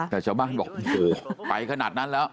แต่จะบ้างหรอกไปขนาดนั้นแล้ว